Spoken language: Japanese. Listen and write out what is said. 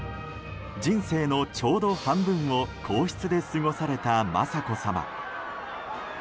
人生のちょうど半分を皇室で過ごされた雅子さま。